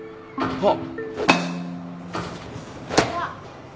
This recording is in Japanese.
あっ。